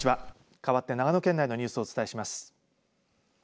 かわって長野県内のニュースをお伝えします。